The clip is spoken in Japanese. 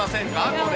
これ。